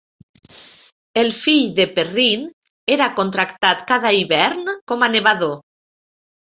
El fill de Perrine era contractat cada hivern com a "nevador".